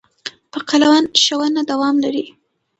په قلم ښوونه دوام لري.